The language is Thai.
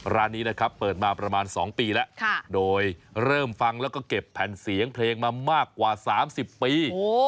ร้านนี้นะครับเปิดมาประมาณ๒ปีแล้วโดยเริ่มฟังแล้วก็เก็บแผ่นเสียงเพลงมามากกว่า๓๐ปี